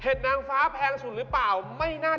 เห็ดนางฟ้าแพงสุดหรือเปล่าไม่น่าจะใช่